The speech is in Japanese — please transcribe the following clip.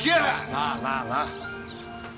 まあまあまあ。